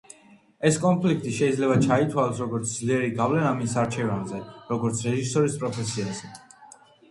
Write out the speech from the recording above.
ეს კონფლიქტი შეიძლება ჩაითვალოს, როგორც ძლიერი გავლენა მის არჩევანზე, როგორც რეჟისორის პროფესიაზე.